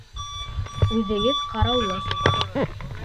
Үҙегеҙ ҡараулы.